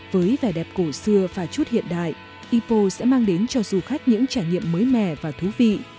với vẻ đẹp cổ xưa và chút hiện đại ipo sẽ mang đến cho du khách những trải nghiệm mới mẻ và thú vị